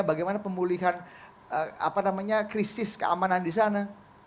bagaimana pemulihan apa namanya krisis keamanan di sana